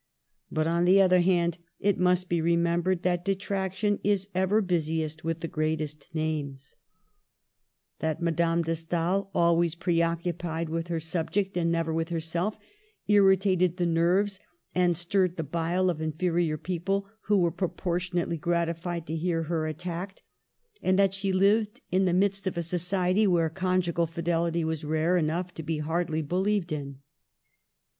But, on the other hand, it must be remembered that detraction is ever busiest with the greatest names ; that Madame Digitized by VjOOQIC 56 MADAME DE STAEL de Stael, always preoccupied with her subject and never with herself, irritated the nerves and stirred the bile of inferior people who were pro portionately gratified to hear her attacked ; and that she lived in the midst of a society where conjugal fidelity was rare enough to be hardly believed in.